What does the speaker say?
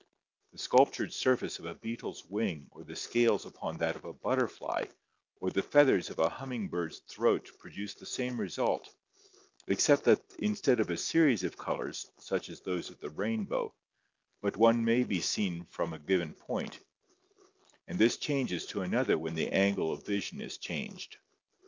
The sculptured surface of a beetle's wing or the scales upon that of a butterfly or the feathers of a humming bird's throat pro duce the same result, except that instead of a series of colors such as those of the rainbow, but one may be seen from a given point, and this changes to another when the angle of vision is changed.